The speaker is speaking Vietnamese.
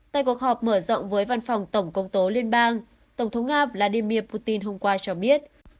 tại cuộc họp mở rộng với văn phòng tổng công tố liên bang tổng thống nga vladimir putin hôm qua cho biết